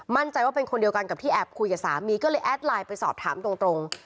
มั่นใจว่าเป็นคนเดียวกันกับที่แอบคุยกับสามีก็เลยแอดไลน์ไปสอบถามตรง